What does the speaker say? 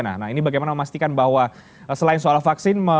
nah ini bagaimana memastikan bahwa selain soal vaksin